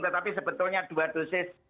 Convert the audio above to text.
tetapi sebetulnya dua dosis